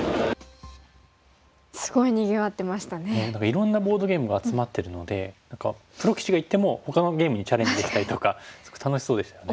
いろんなボードゲームが集まってるので何かプロ棋士が行ってもほかのゲームにチャレンジできたりとかすごく楽しそうでしたよね。